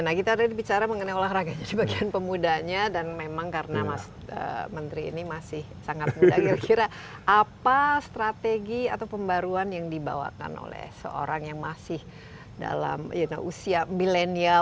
nah kita sudah berbicara mengenai olahraga jadi bagian pemuda nya dan memang karena mas menteri ini masih sangat muda kira kira apa strategi atau pembaruan yang dibawakan oleh seorang yang masih dalam usia milenial young millenial